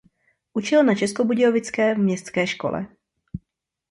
Učil na českobudějovické městské škole.